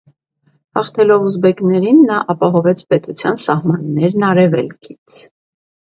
Հաղթելով ուզբեկներին՝ նա ապահովեց պետության սահմաններն արևելքից։